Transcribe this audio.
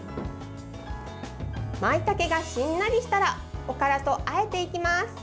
まいたけがしんなりしたらおからとあえていきます。